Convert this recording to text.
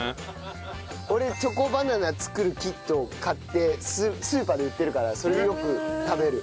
俺チョコバナナ作るキットを買ってスーパーで売ってるからそれをよく食べる。